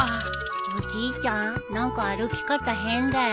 おじいちゃん何か歩き方変だよ？